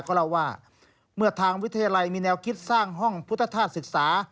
ก็เล่าว่าเมื่อทางวิทยาลัยมีแนวคิดสร้างห้องพุทธธาตุศึกษา